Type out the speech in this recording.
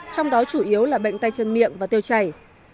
trong đó chủ yếu là bệnh tay chân miệng và tiêu chảy